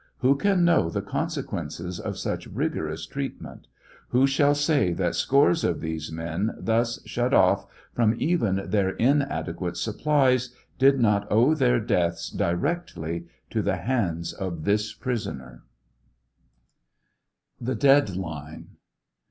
Who can know the consequences of such rigorous treatment ? Who shall say that scores of these men, thus shut oif from even their inadequate supplies, did not owe their deaths directly to the hands of this prisoner 1 THE DEADLINE.